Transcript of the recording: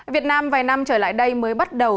việt nam vài năm trở lại đây mới bắt đầu